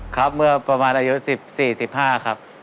ครับเมื่อประมาณอายุ๑๔๑๕ครับ